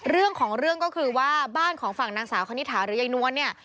เรื่องของเรื่องก็คือว่าบ้านของฝั่งนางสาวคณิตถาหรือยายนวลเนี่ย